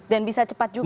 dan bisa cepat juga